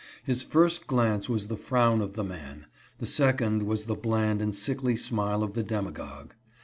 His first glance was the frown of the man ; the second was the bland and sickly smile of the demagogue.